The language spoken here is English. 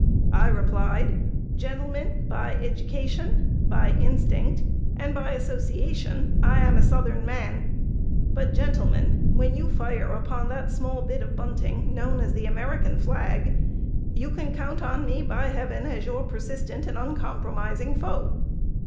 I replied: 'Gentlemen, by education, by instinct, and by association, I am a Southern man. But, gentlemen, when you fire upon that small bit of bunting known as the American flag, you can count me, by Heaven, as your persistent and uncompromising foe!'